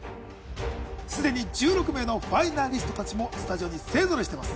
すでに１６名のファイナリストたちもスタジオに勢ぞろいしてます